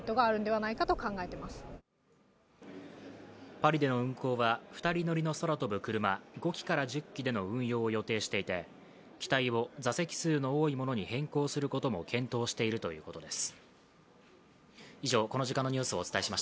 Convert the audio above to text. パリでの運航は、２人乗りの空飛ぶクルマ、５機から１０機での運用を予定していて機体を座席数の多いものに変更することも検討しているということです。